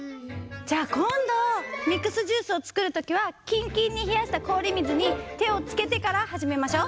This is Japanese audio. じゃあこんどミックスジュースを作るときはキンキンに冷やしたこおり水に手をつけてからはじめましょう。